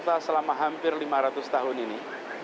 pemerintah selama hampir lima ratus tahun ini